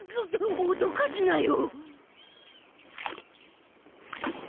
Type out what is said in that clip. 脅かすなよ。